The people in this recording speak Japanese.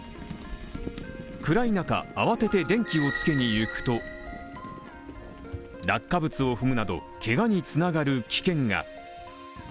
暗い中、慌てて電気をつけにいくと落下物を踏むなど、けがにつながる危険が。